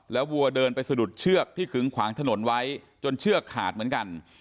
วัวเดินไปสะดุดเชือกที่ขึงขวางถนนไว้จนเชือกขาดเหมือนกัน